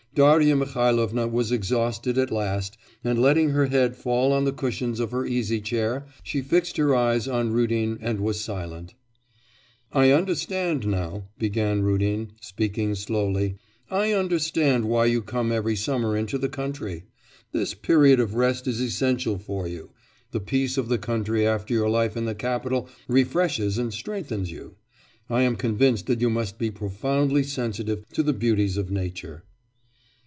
Darya Mihailovna was exhausted at last and letting her head fall on the cushions of her easy chair she fixed her eyes on Rudin and was silent. 'I understand now,' began Rudin, speaking slowly, 'I understand why you come every summer into the country. This period of rest is essential for you; the peace of the country after your life in the capital refreshes and strengthens you. I am convinced that you must be profoundly sensitive to the beauties of nature.